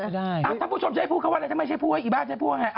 ถ้าผู้ชมใช้พูดเข้าว่าอะไรถ้าไม่ใช้พูดว่าอะไร